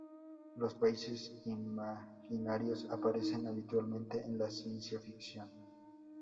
Los países imaginarios aparecen habitualmente en la ciencia ficción.